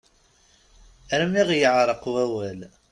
Armi ɣ-yeεreq wawal.